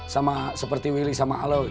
sama seperti willy sama alo